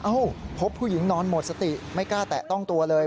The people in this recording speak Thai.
พบผู้หญิงนอนหมดสติไม่กล้าแตะต้องตัวเลย